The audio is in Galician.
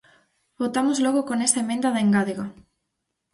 Votamos logo con esa emenda de engádega.